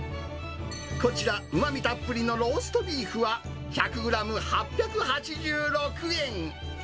こちら、うまみたっぷりのローストビーフは１００グラム８８６円。